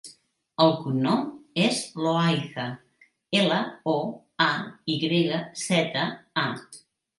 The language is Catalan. El cognom és Loayza: ela, o, a, i grega, zeta, a.